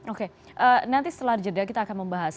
oke nanti setelah jeda kita akan membahas